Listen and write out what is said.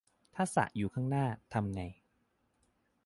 ถ้าสระอยู่ข้างหน้า ทำไง